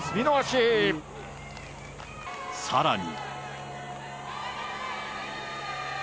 さらに。